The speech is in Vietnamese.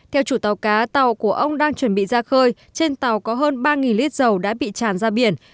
theo chủ tàu cá tàu của ông đang chuẩn bị ra khơi trên tàu có hơn ba lít dầu đã bị tràn ra biển